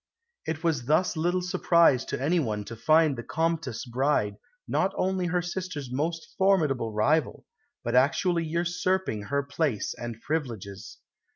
It was thus little surprise to anyone to find the Comtesse bride not only her sister's most formidable rival, but actually usurping her place and privileges.